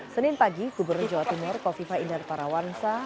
senin pagi gubernur jawa timur kofifa indar parawansa